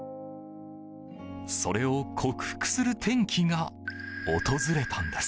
それを克服する転機が訪れたんです。